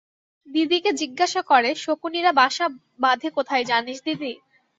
দিদিকে জিজ্ঞাসা করে-শকুনিরা বাসা বঁধে কোথায় জানিস দিদি?